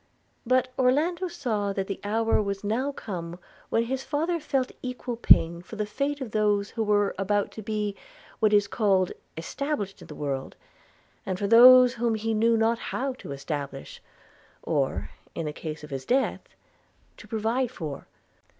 But Orlando saw that the hour was now come when his father felt equal pain for the fate of those who were about to be what is called established in the world, and for those whom he knew not how to establish, or, in the case of his death, to provide for.